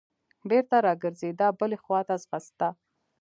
بېرته راګرځېده بلې خوا ته ځغسته.